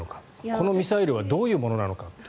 このミサイルはどういうものなのか。